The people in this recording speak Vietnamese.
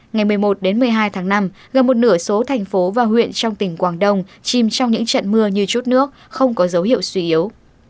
ngày một mươi một một mươi hai tháng năm gần một nửa số thành phố và huyện trong tỉnh quảng đông chìm trong những trận mưa như chút nước không có dấu hiệu suy yếu